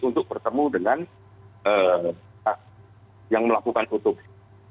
untuk bertemu dengan yang melakukan otopsi